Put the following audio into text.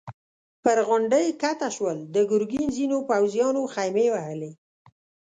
پر غونډۍ کښته شول، د ګرګين ځينو پوځيانو خيمې وهلې.